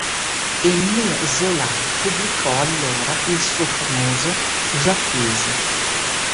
Émile Zola pubblicò allora il suo famoso J'accuse.